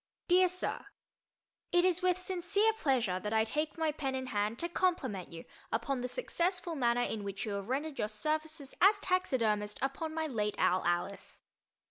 DEAR SIR: It is with sincere pleasure that I take my pen in hand to compliment you upon the successful manner in which you have rendered your services as taxidermist upon my late owl Alice.